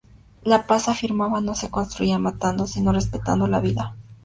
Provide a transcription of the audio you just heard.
La paz, afirmaba, no se construía matando, sino respetando la vida.